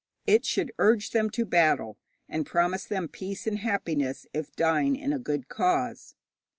It should urge them to battle, and promise them peace and happiness if dying in a good cause.